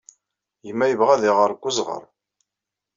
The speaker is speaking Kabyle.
Gma yebɣa ad iɣer deg wezɣer.